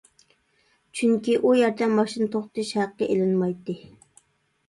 چۈنكى ئۇ يەردە ماشىنا توختىتىش ھەققى ئېلىنمايتتى.